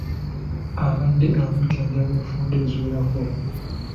Abadde amujjanjaba enfunda eziwerako.